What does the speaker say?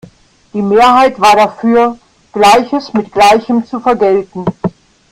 Die Mehrheit war dafür, Gleiches mit Gleichem zu vergelten.